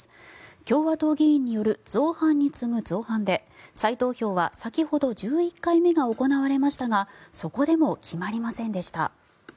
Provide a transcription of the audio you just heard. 共和党議員による造反に次ぐ造反で再投票は先ほど１１回目が行われましたがそこでも決まりませんでした。